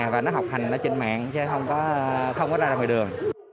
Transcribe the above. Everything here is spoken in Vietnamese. và nó học hành trên mạng chứ không có ra ra ngoài đường